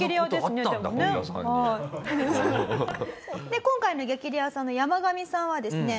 で今回の激レアさんのヤマガミさんはですね